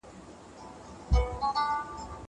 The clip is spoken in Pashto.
مځکه د بزګر له خوا کرل کيږي!!